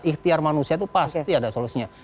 ikhtiar manusia itu pasti ada solusinya